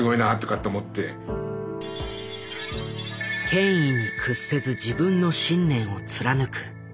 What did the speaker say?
「権威に屈せず自分の信念を貫く」。